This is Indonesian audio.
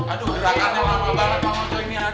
aduh gerakan lama banget bang ojo ini